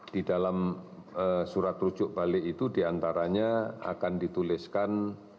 di dalam surat rujuk balik itu diantaranya akan dituliskan